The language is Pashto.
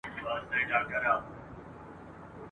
زه سبا سبا کومه لا منلي مي وعدې دي ..